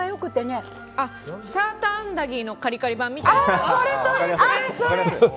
サーターアンダギーのカリカリ版みたいな。